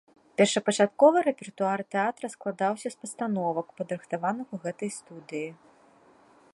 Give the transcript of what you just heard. Першапачаткова рэпертуар тэатра складаўся з пастановак, падрыхтаваных у гэтай студыі.